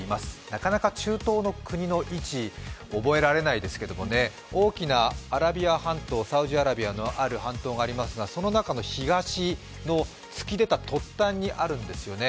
なかなか中東の国の位置、覚えられないですけどね、大きなアラビア半島、サウジアラビアのある半島がありますが、その中の東に突き出た端にあるんですね。